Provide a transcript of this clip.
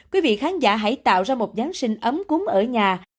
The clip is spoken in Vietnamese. quý vị khán giả hãy tạo ra một giáng sinh ấm cúng ở nhà